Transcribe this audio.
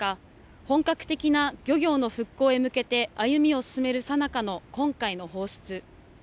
本格的な漁業の復興に向けて歩みを進めるさなかの今回の放出。